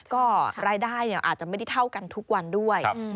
ก็รายได้อาจจะไม่ได้เท่ากันทุกวันด้วย